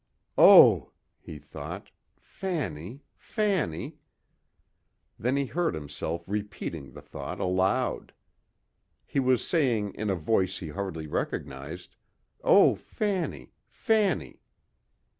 "Oh," he thought, "Fanny, Fanny...." Then he heard himself repeating the thought aloud. He was saying in a voice he hardly recognized, "Oh, Fanny, Fanny."